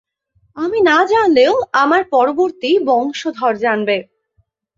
আমি না জানলেও আমার পরবর্তী বংশধর জানবে।